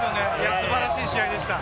素晴らしい試合でした。